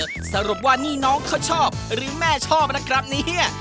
สรุปว่านี่น้องเขาชอบหรือแม่ชอบนะครับเนี่ย